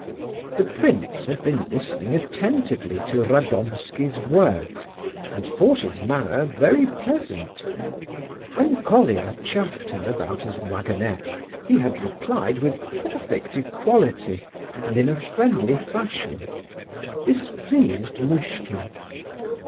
The prince had been listening attentively to Radomski's words, and thought his manner very pleasant. When Colia chaffed him about his waggonette he had replied with perfect equality and in a friendly fashion. This pleased Muishkin.